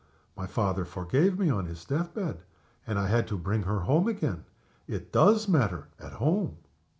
My father forgave me on his death bed, and I had to bring her home again. It does matter, at home.